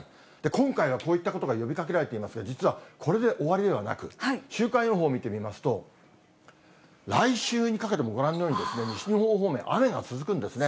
今回はこういったことが呼びかけられていますが、実はこれで終わりではなく、週間予報を見てみますと、来週にかけても、ご覧のようにですね、西日本方面、雨が続くんですね。